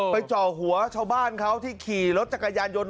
จ่อหัวชาวบ้านเขาที่ขี่รถจักรยานยนต์